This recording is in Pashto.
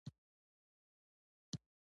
ورته وایي چې خیر خو دی، څه خبره ده؟